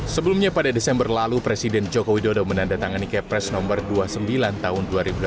sebelumnya pada desember lalu presiden joko widodo menandatangani kepres nomor dua puluh sembilan tahun dua ribu delapan belas